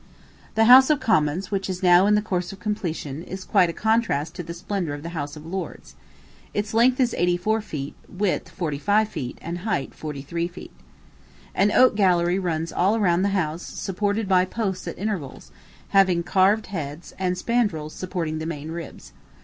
The House of Commons, which is now in the course of completion, is quite a contrast to the splendor of the House of Lords. Its length is eighty four feet; width, forty five feet; and height, forty three feet. An oak gallery runs all round the house, supported by posts at intervals, having carved heads, and spandrills supporting the main ribs.